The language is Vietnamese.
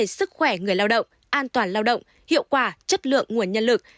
vấn đề sức khỏe người lao động an toàn lao động hiệu quả chất lượng nguồn nhân lực